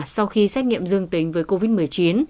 sau khi xét nghiệm dương tính với covid một mươi chín